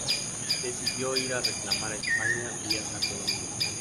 Decidió ir a reclamar a España, vía Santo Domingo.